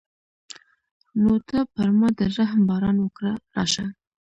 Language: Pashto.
نو ته پر ما د رحم باران وکړه راشه.